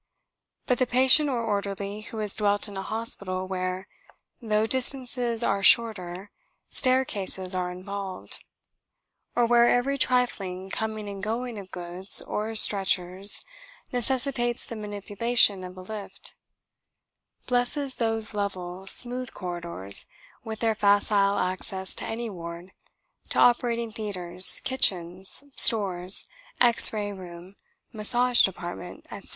But the patient or orderly who has dwelt in a hospital where, though distances are shorter, staircases are involved or where every trifling coming and going of goods or stretchers necessitates the manipulation of a lift blesses those level, smooth corridors, with their facile access to any ward, to operating theatres, kitchens, stores, X ray room, massage department, etc.